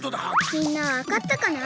みんなはわかったかな？